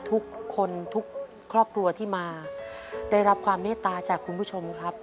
ทุกคนทุกครอบครัวที่มาได้รับความเมตตาจากคุณผู้ชมครับ